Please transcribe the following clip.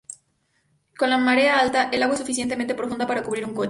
Con la marea alta, el agua es suficientemente profunda para cubrir un coche.